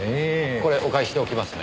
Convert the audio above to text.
これお返ししておきますね。